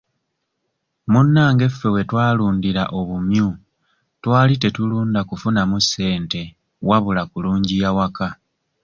Munnange ffe we twalundira obumyu twali tetulunda kubufunamu ssente wabula kulungiya waka.